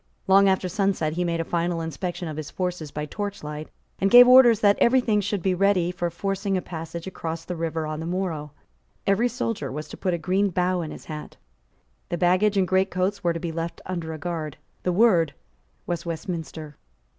Long after sunset he made a final inspection of his forces by torchlight, and gave orders that every thing should be ready for forcing a passage across the river on the morrow. Every soldier was to put a green bough in his hat. The baggage and great coats were to be left under a guard. The word was Westminster.